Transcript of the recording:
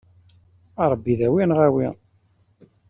A Ṛebbi, dawi neɣ awi!